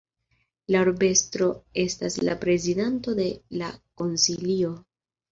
La urbestro estas la prezidanto de la konsilio.